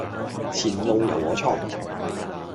前路由我創